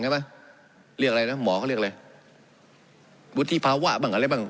ใช่ไหมเรียกอะไรนะหมอเขาเรียกเลยบุธีภาวะบ้างอะไรบ้าง